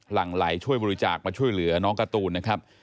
หลังไหลช่วยบริจาคมาช่วยเหลือน้องการ์ตูนนะครับ